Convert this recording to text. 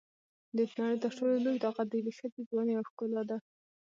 د نړۍ تر ټولو لوی طاقت د یوې ښځې ځواني او ښکلا ده.